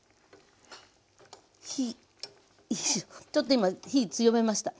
火ちょっと今火強めました。